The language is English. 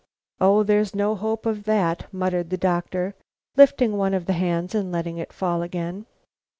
"Oh! there's no hope of that," muttered the doctor, lifting one of the hands, and letting it fall again.